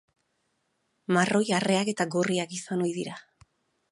Marroi, arreak eta gorriak izan ohi dira.